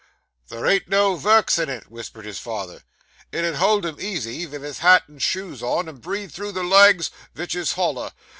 'There ain't no vurks in it,' whispered his father. 'It 'ull hold him easy, vith his hat and shoes on, and breathe through the legs, vich his holler.